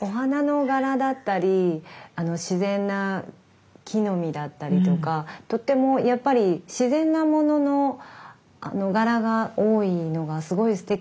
お花の柄だったり自然な木の実だったりとかとってもやっぱり自然なものの柄が多いのがすごいすてきだと思いました。